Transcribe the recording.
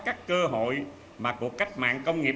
các cơ hội mà cuộc cách mạng công nghiệp